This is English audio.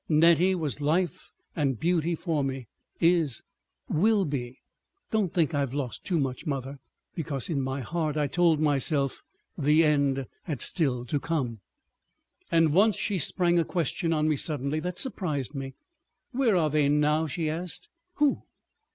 Nettie was life and beauty for me—is—will be. Don't think I've lost too much, mother." (Because in my heart I told myself the end had still to come.) And once she sprang a question on me suddenly that surprised me. "Where are they now?" she asked. "Who?"